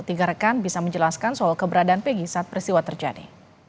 tiga rekan bisa menjelaskan soal keberadaan pegi saat peristiwa terjadi